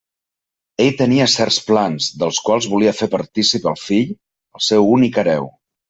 Ell tenia certs plans, dels quals volia fer partícip el fill, el seu únic hereu.